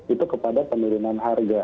itu kepada penurunan harga